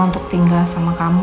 untuk tinggal sama kamu